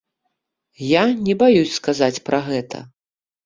Я не баюся сказаць пра гэта.